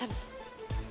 makan dong tadi pesen